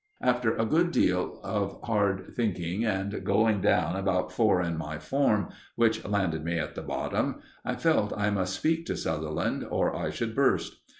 After a good deal of hard thinking and going down about four in my form, which landed me at the bottom, I felt I must speak to Sutherland, or I should burst.